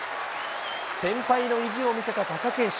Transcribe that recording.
先輩の意地を見せた貴景勝。